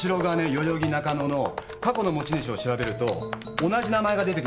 代々木中野の過去の持ち主を調べると同じ名前が出てくるんです。